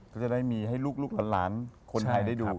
ก็จะได้มีให้ลูกหลานคนไทยได้ดู